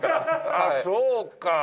あっそうか。